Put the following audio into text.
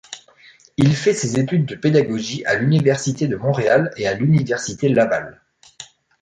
Il fait ses études de pédagogie à l'Université de Montréal et à l'Université Laval.